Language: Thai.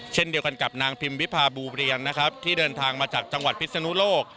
เช่นเดียวกันกับนางพิมพ์วิภาบูริยังที่เดินทางมาจากจังหวัดพิษณุโลก